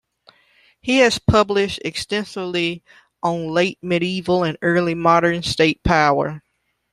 He has published extensively on late medieval and early modern state power.